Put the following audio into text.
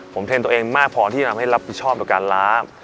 ผมเทรนด์ตัวเองมากพอที่จะทำให้รับผิดชอบต่อการล้า